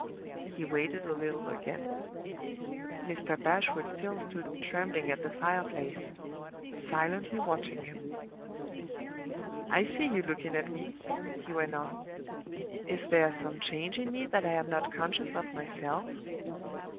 He waited a little again. Mr. Bashwood still stood trembling at the fireplace, silently watching him. "I see you looking at me," he went on. "Is there some change in me that I am not conscious of myself?